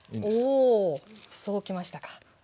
そうきましたか。